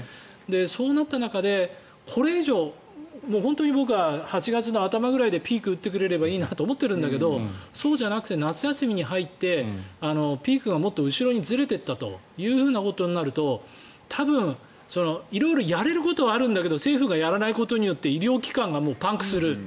そうなった中でこれ以上、本当に僕は８月の頭ぐらいでピークを打ってくれればいいなと思うんだけどそうじゃなくて夏休みに入ってピークがもっと後ろにずれていったということになると多分色々やれることはあるんだけど政府がやらないことによって医療機関がパンクする。